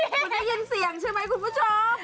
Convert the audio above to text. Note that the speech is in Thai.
คุณได้ยินเสียงใช่ไหมคุณผู้ชม